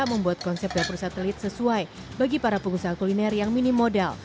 membuat konsep dapur satelit sesuai bagi para pengusaha kuliner yang minim modal